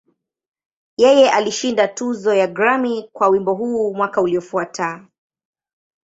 Yeye alishinda tuzo ya Grammy kwa wimbo huu mwaka uliofuata.